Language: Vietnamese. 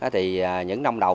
thì những năm đầu